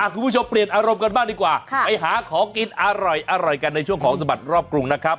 คุณผู้ชมเปลี่ยนอารมณ์กันบ้างดีกว่าไปหาของกินอร่อยกันในช่วงของสบัดรอบกรุงนะครับ